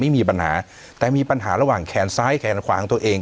มีปัญหาแต่มีปัญหาระหว่างแขนซ้ายแขนขวาของตัวเอง